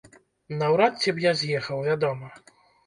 Наўрад ці б я з'ехаў, вядома.